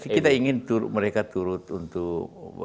kita ingin mereka turut untuk